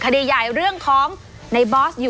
คดีใหญ่เรื่องของ